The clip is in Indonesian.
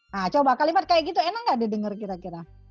nah coba kalimat kayak gitu enak gak didengar kira kira